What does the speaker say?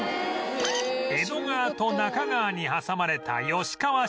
江戸川と中川に挟まれた吉川市では